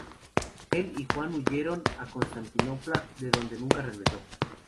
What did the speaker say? Él y Juan huyeron a Constantinopla, de donde nunca regresó.